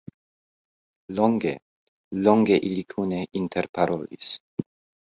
Longe, longe ili kune interparolis.